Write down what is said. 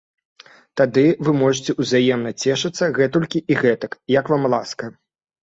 Тады вы можаце ўзаемна цешыцца гэтулькі і гэтак, як вам ласка.